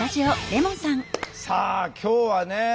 さあ今日はね